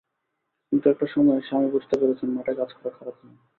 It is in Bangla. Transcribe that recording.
কিন্তু একটা সময়ে স্বামী বুঝতে পেরেছেন, মাঠে কাজ করা খারাপ নয়।